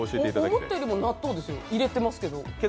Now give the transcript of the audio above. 思ったより納豆ですよ、入れてますけど。